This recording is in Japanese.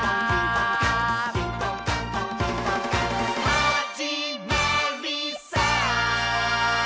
「はじまりさー」